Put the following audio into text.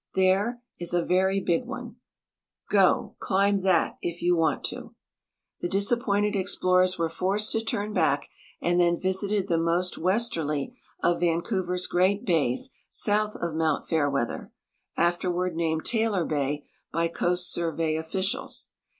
There, is a very big one. Go, climb that, if }'OU want to." The disappointed ex plorers were forced to turn Ijack, and then visited the most west erly of Vancouver's great ba3"s south of mount Fairweather, afterward named Taylor bay b}^ Coast Survey officials.